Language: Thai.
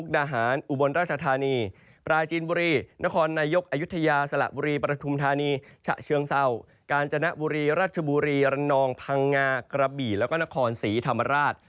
ลับบิและก็นครสีธรรมาราช